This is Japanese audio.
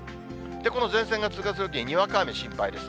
この前線が通過するときに、にわか雨、心配です。